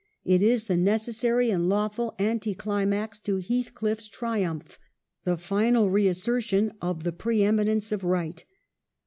It is the nec essary and lawful anti climax to HeathclifFs tri umph, the final reassertion of the pre eminence of right.